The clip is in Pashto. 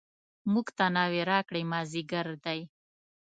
موږ ته ناوې راکړئ مازدیګر دی.